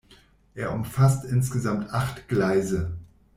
Es umfasst insgesamt acht Gleise.